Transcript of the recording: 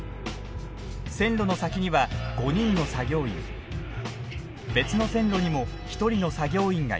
線路の先には５人の作業員別の線路にも１人の作業員がいます。